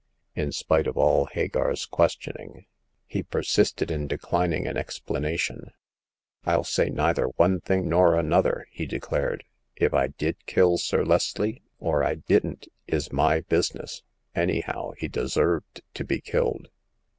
In spite of all Hagar's questioning, he persisted in declining an explanation. " rU say neither one thing nor another," he declared ;*' if I did kill Sir Leslie, or I didn't, is my business. Anyhow, he deserved to be killed."